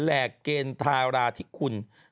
แหลกเกณฑ์ทาราธิคุณ